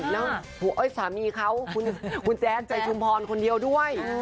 แล้วสามีเขาคุณแจ๊ดใจชุมพรคนเดียวด้วย